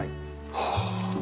はあ。